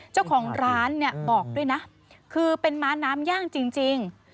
เจ้าของร้านเนี่ยบอกด้วยนะคือเป็นม้าน้ำย่างจริง